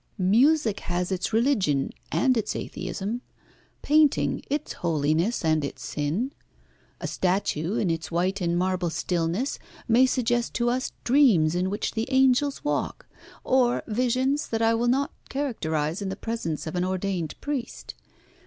Music has its religion and its atheism, painting its holiness and its sin. A statue, in its white and marble stillness, may suggest to us dreams in which the angels walk, or visions that I will not characterise in the presence of an ordained priest.